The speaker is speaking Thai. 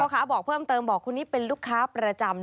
ค้าบอกเพิ่มเติมบอกคนนี้เป็นลูกค้าประจำ